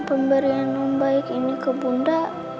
pemberian yang baik ini ke bunda